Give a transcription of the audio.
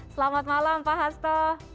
selamat malam pak hasto